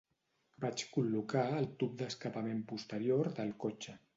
Vaig col·locar el tub d'escapament posterior del cotxe.